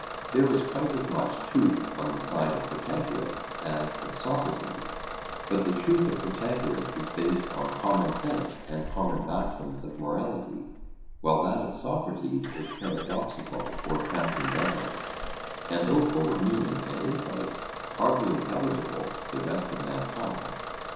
There is quite as much truth on the side of Protagoras as of Socrates; but the truth of Protagoras is based on common sense and common maxims of morality, while that of Socrates is paradoxical or transcendental, and though full of meaning and insight, hardly intelligible to the rest of mankind.